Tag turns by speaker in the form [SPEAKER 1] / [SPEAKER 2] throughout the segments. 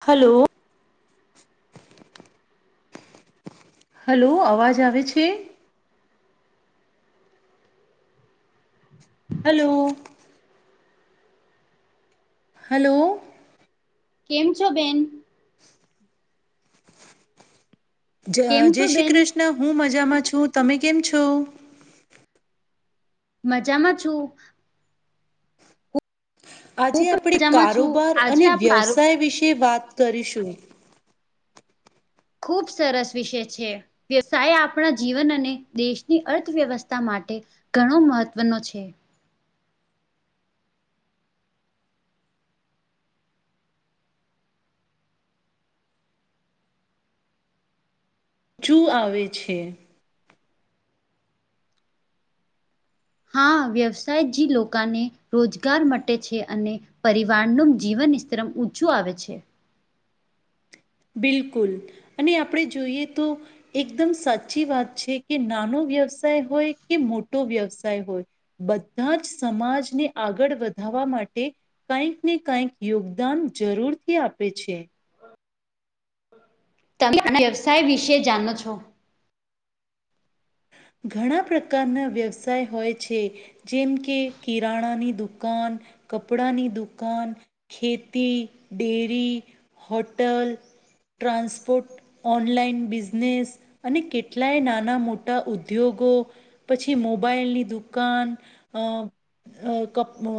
[SPEAKER 1] Hello. Hello, અવાજ આવે છે? હલો. હલો.
[SPEAKER 2] કેમ છો બેન?
[SPEAKER 1] જ
[SPEAKER 2] કેમ
[SPEAKER 1] જય
[SPEAKER 2] છો
[SPEAKER 1] શ્રી
[SPEAKER 2] બેન
[SPEAKER 1] કૃષ્ણ હું મજામાં છું તમે કેમ છો?
[SPEAKER 2] મજામાં છું.
[SPEAKER 1] આજે
[SPEAKER 2] હું
[SPEAKER 1] આપણે
[SPEAKER 2] પણ મજામાં છું
[SPEAKER 1] કારોબાર
[SPEAKER 2] આજે
[SPEAKER 1] અને
[SPEAKER 2] આપણો
[SPEAKER 1] વ્યવસાય વિશે વાત કરીશું.
[SPEAKER 2] ખૂબ સરસ વિષય છે. વ્યવસાય આપણા જીવન અને દેશની અર્થવ્યવસ્થા માટે ઘણો મહત્વનો છે.
[SPEAKER 1] શું આવે છે.
[SPEAKER 2] હા વ્યવસાયજી લોકોને રોજગાર મટે છે અને. પરિવારનું જીવન સ્તરમ ઊંચું આવે છે.
[SPEAKER 1] બિલકુલ અને આપણે જોઈએ તો. એકદમ સાચી વાત છે કે નાનો વ્યવસાય હોય કે મોટો વ્યવસાય હોય બધા જ સમાજને આગળ વધાવવા માટે કઈક ને કઈક યોગદાન જરૂરથી આપે છે.
[SPEAKER 2] તમે આ વ્યવસાય વિશે જાણો છો.
[SPEAKER 1] ઘણા પ્રકારના વ્યવસાય હોય છે. જેમ કે કિરાણાની દુકાન, કપડાની દુકાન, ખેતી, dairy, hotel, transport, online business, અને કેટલાય નાના મો ટા ઉદ્યોગો પછી મોબાઈલની દુકાન અ અ ક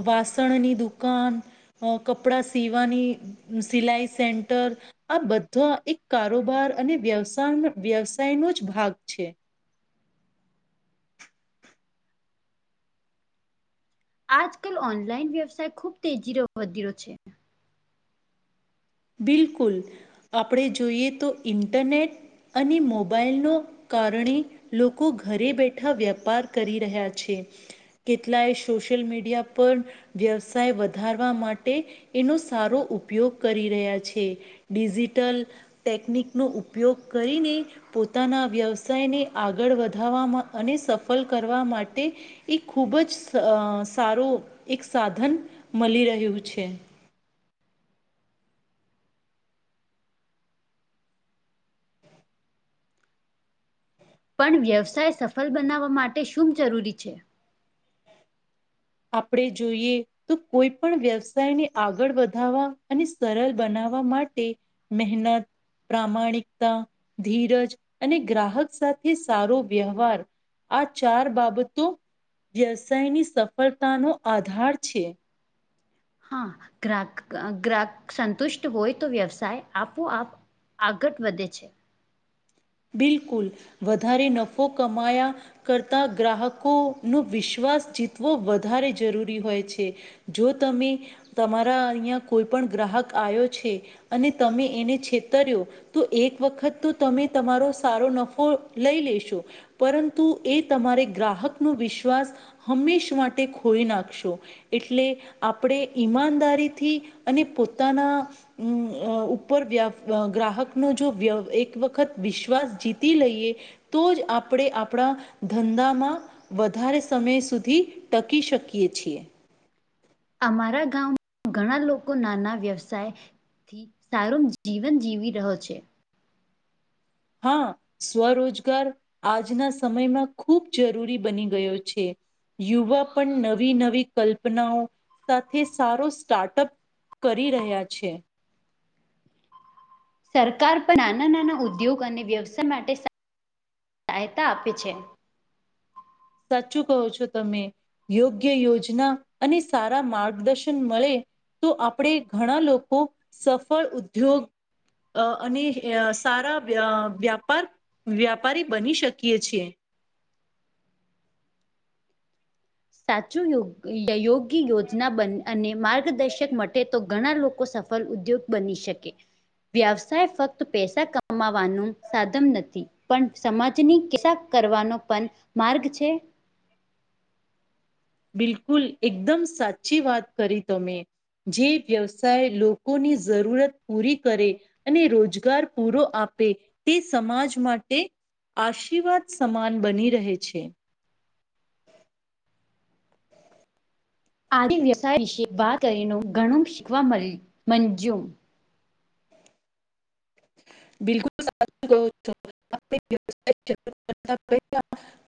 [SPEAKER 1] વાસણની દુકાન, કપડા સીવાની. સિલાઈ સેંન્ટર, આ બધા એક કારોબાર અને વ્યવસાય વ્યવસાયનો જ ભાગ છે.
[SPEAKER 2] આજકાલ ઓનલાઈન વ્યવસાય ખુબ તેજી વધીયો છે.
[SPEAKER 1] બિલકુલ આપણે જોઈએ તો ઇન્ટરનેટ અને મોબાઈલનો. કારણે લોકો ઘરે બેઠા વેપાર કરી રહ્યા છે. કેટલાય સોશિયલ મીડિયા પર. વ્યવસાય વધારવા માટે એનો સારો ઉપયોગ કરી. રહ્યા છે ડિજિટલ ટેકનિકનો ઉપયોગ કરીને. પોતાના વ્યવસાયને આગળ વધવામાં અને સફળ કરવા માટે. એ ખૂબ જ અ સારું એક સાધન મળી રહ્યું છે.
[SPEAKER 2] પણ વ્યવસાય સફળ બનાવવા માટે શું જરૂરી છે.
[SPEAKER 1] આપણે જોઈએ. તો કોઈ પણ વ્યવસાયને આગળ વધારવા અને સરળ બનાવવા માટે. મહેનત, પ્રામાણિકતા, ધીરજ, અને ગ્રાહક સાથે સારો વ્યવહાર આ ચાર બાબતો વ્યવસાયની સફળતાનો આધાર છે.
[SPEAKER 2] હા ગ્રાહક અ ગ્રાહક સંતુષ્ટ હોય તો વ્યવસાય આપો આપ આગળ વધે છે.
[SPEAKER 1] બિલકુલ વધારે નફો કમાયા કરતા ગ્રાહકો નો વિશ્વાસ જીતવો વધારે જરૂરી હોય છે. જો તમે તમારા અહીં કોઈ પણ ગ્રાહક આવ્યો છે. અને તમે એને છેતર્યો તો એક વખત તો તમે તમારો સારો નફો લઈ લેશું પરંતુ એ તમારે ગ્રાહક નો વિશ્વાસ હંમેશ માટે ખોલી નાખશો એટલે આપણે ઈમાનદારીથી અને પોતાના ઉપર ગ્રાહક નો જો એક વત. વખત વિશ્વાસ જીતી લઈએ તો જ આપણે આપણા ધંધામાં. વધારે સમય સુધી ટકી શકીએ છીએ.
[SPEAKER 2] અમારા ગામમાં ઘણા લોકો નાના વ્યવસાય. થી સારું જીવન જીવી રહ્યો છે.
[SPEAKER 1] હા સ્વરોજગાર આજના સમયમાં ખૂબ જરૂરી બની ગયો છે. યુવા પણ નવી નવી કલ્પનાઓ સાથે સારો સ્ટાર્ટઅપ. કરી રહ્યા છે.
[SPEAKER 2] સરકાર પણ નાના નાના ઉદ્યોગ અને વ્યવસાય માટે સહાયતા આપે છે.
[SPEAKER 1] સાચું કહો છો તમે યોગ્ય યોજના અને સારા માર્ગદર્શન મળે. તો આપણે ઘણા લોકો સફળ ઉદ્યોગ. અ અને સારા વ્યાપાર. વ્યાપારી બની શકીએ છીએ.
[SPEAKER 2] સાચું યોગી યોજના બ અને માર્ગદર્શક માટે તો. ઘણા લોકો સફળ ઉદ્યોગ બની શકે. વ્યવસાય ફક્ત પૈસા કમાવાનું સાધન નથી. પણ સમાજની [unintelligible] કરવાનો પણ માર્ગ છે.
[SPEAKER 1] બિલકુલ એકદમ સાચી વાત કરી તમે. જે વ્યવસાય લોકોની જરૂરત પૂરી કરે. અને રોજગાર પૂરો આપે તે સમાજ માટે. આશીર્વાદ સમાન બની રહે છે.
[SPEAKER 2] આદ વ્યવસાય વિશે વાત કરીને ઘણું શીખવા મળ્યું
[SPEAKER 1] [inaudible]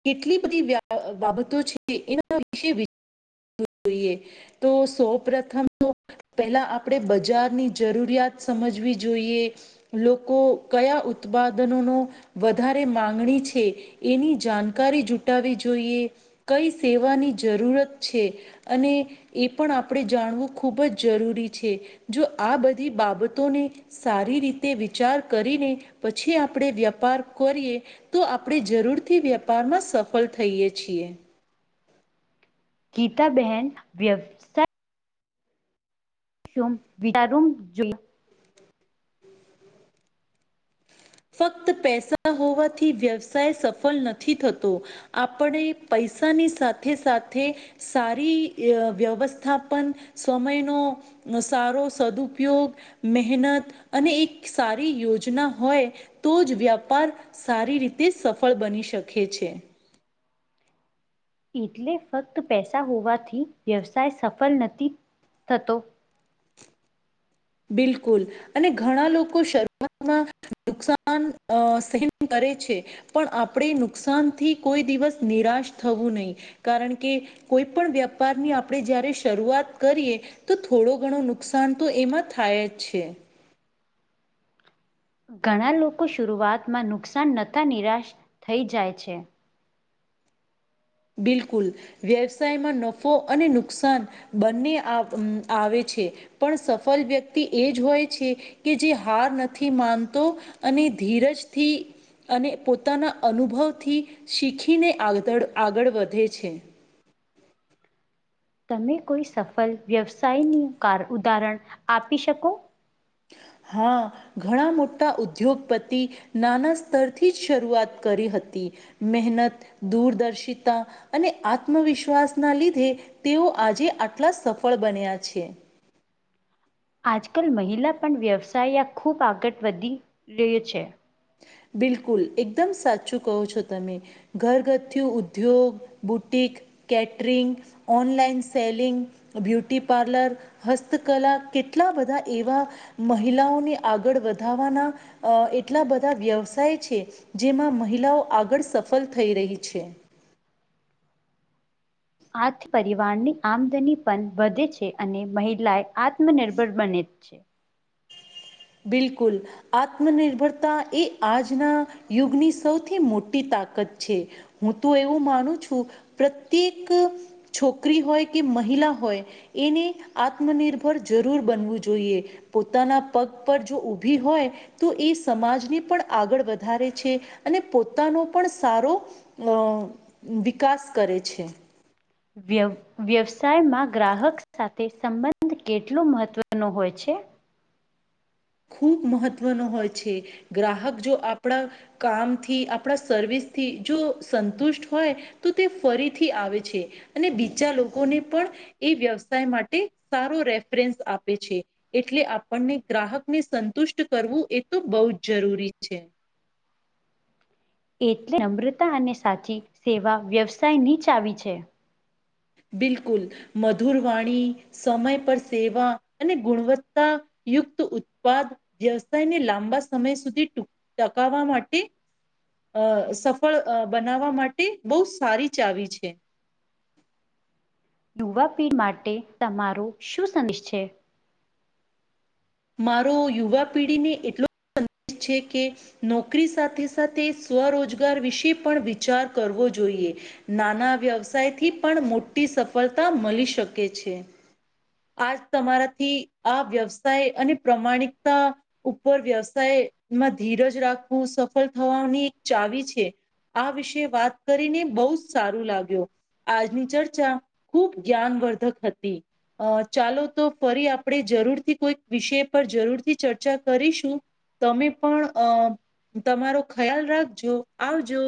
[SPEAKER 1] કેટલી બધી બાબતો છે એના વિશે [inaudible] જોઈએ. તો સૌ પ્રથમ તો. પહેલાં આપણે બજારની જરૂરિયાત સમજવી જોઈએ. લોકો કયા ઉત્પાદનોનો વધારે માગણી છે. એની જાણકારી જુટાવી જોઈએ કઈ સેવાની જરૂરત છે. અને. એ પણ આપણે જાણવું ખૂબ જ જરૂરી છે જો આ બધી બાબતોને. સારી રીતે વિચાર કરીને પછી આપણે વ્યાપાર કરીએ. તો આપણે જરૂરથી વેપારમાં સફળ થઈએ છીએ.
[SPEAKER 2] ગીતા બહેન વ્યવસાય [inaudible]
[SPEAKER 1] ફક્ત પૈસા હોવાથી વ્યવસાય સફળ નથી થતો. આપણે પૈસાની સાથે સાથે. સારી વ્યવસ્થાપન સમયનો. સારો સદઉપયોગ મહેનત અને એક સારી યોજના હોય. તો જ વ્યાપાર સારી રીતે સફળ બની શકે છે.
[SPEAKER 2] એટલે ફક્ત પૈસા હોવાથી વ્યવસાય સફળ નથી થતો.
[SPEAKER 1] બિલકુલ અને ઘણા લોકો શર. નુકસાન સહન કરે છે. પણ આપણે નુકસાન થી કોઈ દિવસ નિરાશ થવું નહી કારણ કે. કોઈ પણ વ્યાપારની આપણેે જયારે શરૂઆત કરીએ તો થોડો ઘણો નુકસાન તો એમાં. થાય છે.
[SPEAKER 2] ઘણા લોકો શરૂઆતમાં નુકસાન નથા નિરાશ થઈ જાય છે.
[SPEAKER 1] બિલકુલ. વ્યવસાયમાં નફો અને નુકસાન બંને આવે છે. પણ સફલ વ્યક્તિ એ જ હોય છે કે જે હાર નથી માનતો અને ધીરજથી અને પોતાના અનુભવથી શીખીને આગળ વધે છે.
[SPEAKER 2] તમે કોઈ સફળ વ્યવસાયની કાર ઉદાહરણ આપી શકો?
[SPEAKER 1] હા. ઘણા મોટા ઉદ્યોગપતિ નાના સ્તરથી જ શરૂઆત કરી હતી. મહેનત દૂરદર્શિતા અને આત્મવિશ્વાસ ના લીધે તેઓ આજે આટલા સફળ બન્યા છે.
[SPEAKER 2] આજકાલ મહિલા પણ વ્યવસાય આ ખૂબ આગળ વધી રહી છે.
[SPEAKER 1] બિલકુલ એકદમ સાચું કહો છો તમે ઘરગથ્થુ ઉદ્યોગ, boutique, catering online selling, beauty parlour હસ્તકલા કેટલા બધા એવા મહિલાઓને આગળ વધાવાના અ એટલા બધા વ્યવસાય છે જેમાં મહિલાઓ આગળ સફળ થઈ રહી છે.
[SPEAKER 2] આથ પરિવારની આમદની પણ વધે છે અને મહિલાએ આત્મનિર્ભર બને જ છે.
[SPEAKER 1] બિલકુલ. આત્મનિર્ભરતા એ આજના યુગની સૌથી મોટી તાકાત છે. હું તો એવું માનું છું પ્રત્યેક છોકરી હોય કે મહિલા હોય એને આત્મનિર્ભર જરૂર બનવું જોઈએ પોતાના પગ પર જો ઊભી હોય તો એ સમાજને પણ આગળ વધારે છે અને પોતાનો પણ સારો વિકાસ કરે છે.
[SPEAKER 2] વ્યવ વ્યવસાયમાં ગ્રાહક સાથે સંબંધ કેટલો મહત્ત્વનો હોય છે?
[SPEAKER 1] ખૂબ મહત્વનો હોય છે. ગ્રાહક જો આપણા કામથી આપણા સર્વિસથી જો સંતુષ્ટ હોય તો તે ફરીથી આવે છે અને બીજા લોકોને પણ એ વ્યવસાય માટે સારો રેફરન્સ આપે છે એટલે આપણને ગ્રાહક ને સંતુષ્ટ કરવું એ તો બહુ જ જરૂરી છે.
[SPEAKER 2] એટલે નમ્રતા અને સાચી સેવા વ્યવસાય ની ચાવી છે.
[SPEAKER 1] બિલકુલ મધુરવાણી સમય પર સેવા અને ગુણવત્તા યુક્ત ઉત્પાદ વ્યવસાયને લાંબા સમય સુધી ટુક ટકાવવા માટે. અ સફળ અ બનાવવા માટે બહુ સારી ચાવી છે.
[SPEAKER 2] યુવા પીઢ માટે તમારો શું સંદેશ છે?
[SPEAKER 1] મારો યુવા પીઢી ને એટલો છે કે નોકરી સાથે સાથે સ્વરોજગાર વિશે પણ વિચાર કરવો જોઈએ. નાના વ્યવસાય થી પણ મોટી સફળતા મળી શકે છે. આજ તમારાથી આ વ્યવસાય અને પ્રમાણિકતા ઉપર વ્યવસાયમાં ધીરજ રાખવું સફળ થવાની ચાવી છે. આ વિષે વાત કરીને બહુ જ સારું લાગ્યો આજની ચર્ચા ખૂબ જ્ઞાનવર્ધક હતી. અ ચાલો તો ફરી આપણે જરૂરથી કોઈક વિષય પર જરૂરથી ચર્ચા કરીશું. તમે પણ અ તમારો ખ્યાલ રાખજો આવજો.